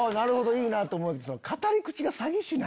いいなと思うけど。